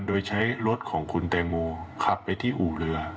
โดยใช้รถของคุณแตงโมขับไปที่อู่เรือ